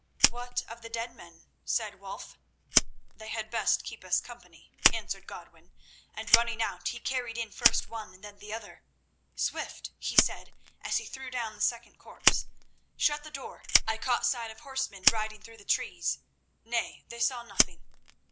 "What of the dead men?" said Wulf. "They had best keep us company," answered Godwin, and, running out, he carried in first one and then the other. "Swift!" he said, as he threw down the second corpse. "Shut the door. I caught sight of horsemen riding through the trees. Nay, they saw nothing."